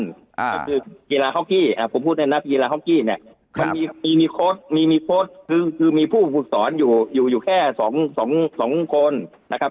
ก็คือกีฬาฮอกกี้ผมพูดในลักษณะกีฬาฮอกกี้เนี่ยมีโค้ดคือมีผู้ฝึกสอนอยู่แค่๒คนนะครับ